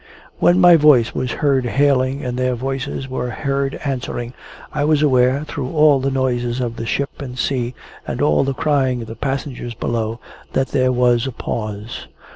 When my voice was heard hailing, and their voices were heard answering, I was aware, through all the noises of the ship and sea, and all the crying of the passengers below, that there was a pause.